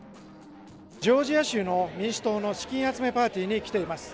ジョージア州の民主党の資金集めパーティーに来ています。